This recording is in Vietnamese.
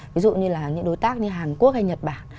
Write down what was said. ví dụ như là những đối tác như hàn quốc hay nhật bản